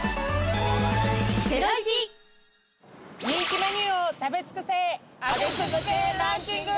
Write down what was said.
人気メニューを食べつくせ！